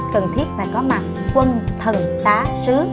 cần thiết phải có mặt quân thần tá sứ